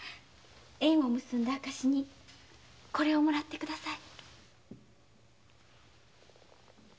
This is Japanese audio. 縁を結んだ証にこれをもらって下さい。